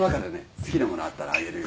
好きな物あったらあげるよ。